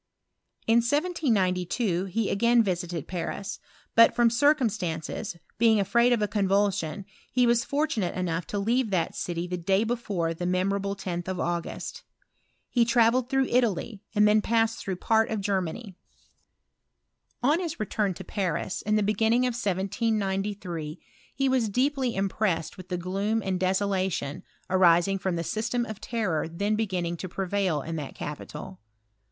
i In 1792 he again visited Paris ; but, from circ* stances, being afraid of a couvulsion, he was I tunate enough to leave that city the day before'. memorable 10th of August. He travelled throi Italy, and then passed through part of Germa PROGRESS OF AKALTTICAL CHEMISTRY. 235 On his return to Paris, in the beginning of 1793, he was deeply impressed with the gloom and desolation arising from the system of terror then beginning to prevail in that capital.